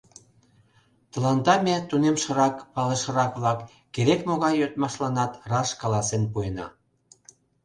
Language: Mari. Тыланда ме,, тунемшырак, палышырак-влак, керек-могай йодмашланат раш каласен пуэна.